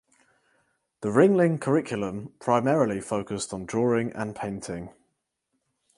The Ringling curriculum primarily focused on drawing and painting.